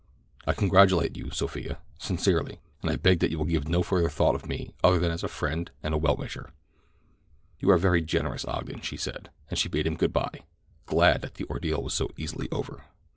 I congratulate you, Sophia—sincerely—and I beg that you will give no further thought to me other than as a friend and well wisher." "You are very generous, Ogden," she said, as she bade him good by, glad that the ordeal was so easily over.